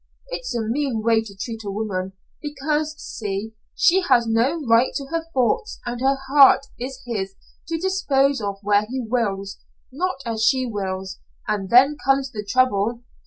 It's a mean way to treat a woman because see? She has no right to her thoughts, and her heart is his to dispose of where he wills not as she wills and then comes the trouble.